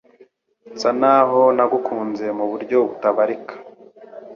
Nsa naho nagukunze mu buryo butabarika